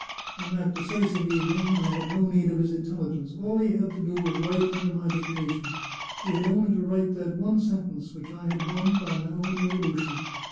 On that decisive evening I had no need of his intelligence; all he had to do was to write under my dictation. He had only to write that one sentence, which I had won by my own resolution.